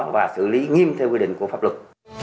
và xử lý nghiêm theo quy định của pháp luật